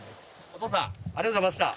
お父さんありがとうございました。